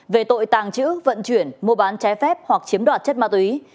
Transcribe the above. về tội tàng trữ vận chuyển mua bán trái phép hoặc chiếm đoạt chất ma túy